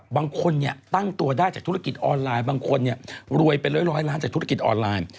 บางคนเนี่ยตั้งตัวได้จากธุรกิจออนไลน์บางคนรวยเป็นร้อยล้านจากธุรกิจออนไลน์